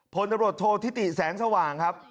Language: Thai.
พลตำรวจโทษธิติแสงสว่างครับ